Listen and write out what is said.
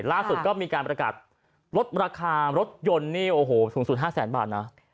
ล่าสุดก็มีการประกาศลดราคารถยนต์นี่โอ้โหสูงสุด๕แสนบาทนะ